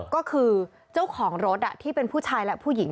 ก็คือเจ้าของรถที่เป็นผู้ชายและผู้หญิง